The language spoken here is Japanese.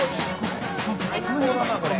最高だなこれ。